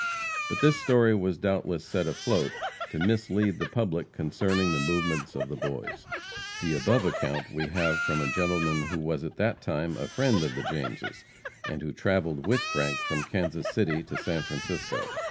But this story was doubtless set afloat to mislead the public concerning the movements of the Boys. The above account we have from a gentleman who was at that time a friend of the Jameses, and who traveled with Frank from Kansas City to San Francisco.